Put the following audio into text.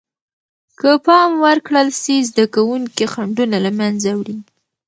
که پام ورکړل سي، زده کوونکي خنډونه له منځه وړي.